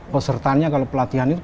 pesertanya kalau pelatihan itu